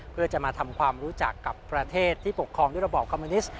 เพื่อจะมาทำความรู้จักกับประเทศที่ปกครองด้วยระบอบคอมมิวนิสต